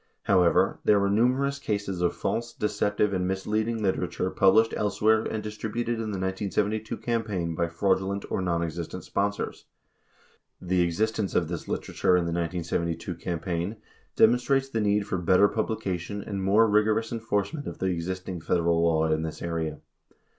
43 However, there were numerous cases of false, deceptive, and misleading literature pub lished and distributed in the 1972 campaign by fraudulent or non existent sponsors. The existence of this literature in the 1972 cam paign demonstrates the need for better publication and more rigorous enforcement of the existing Federal law in this area.